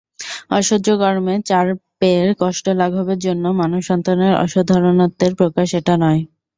অসহ্য গরমে চারপেয়ের কষ্ট লাঘবের জন্য মানবসন্তানের অসাধারণত্বের প্রকাশ এটা নয়।